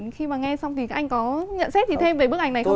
khi mà nghe xong thì anh có nhận xét gì thêm về bức ảnh này không ạ